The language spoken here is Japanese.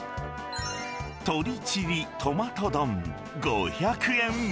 鶏チリトマト丼５００円。